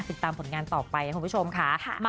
ติดตามผลงานต่อไปคุณผู้ชมค่ะ